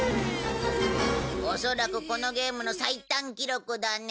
恐らくこのゲームの最短記録だね。